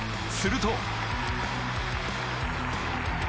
すると。